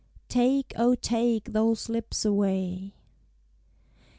TAKE, O, TAKE THOSE LIPS AWAY.